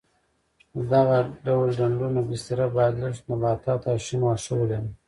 د دغه ډول ډنډونو بستره باید لږ نباتات او شین واښه ولري.